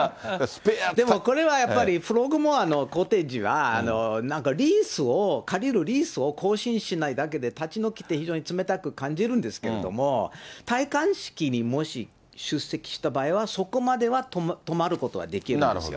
これはやっぱり、フロッグモア・コテージは、なんかリースを、借りるリースを更新しないだけで、立ち退きって非常に冷たく感じるんですけども、戴冠式にもし出席した場合は、そこまでは泊まることはできるんですよ。